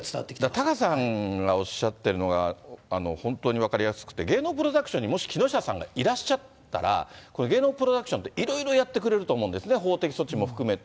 タカさんがおっしゃっているのが、本当に分かりやすくて、芸能プロダクションにもし木下さんがいらっしゃったら、この芸能プロダクションって、いろいろやってくれると思うんですね、法的措置も含めて。